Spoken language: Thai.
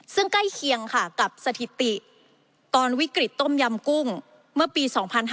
ซึ่งใกล้เคียงค่ะกับสถิติตอนวิกฤตต้มยำกุ้งเมื่อปี๒๕๕๙